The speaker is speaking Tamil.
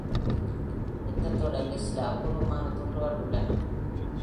இந்த தொடரில் சில அபூர்வமான துண்டுகள் உள்ளன.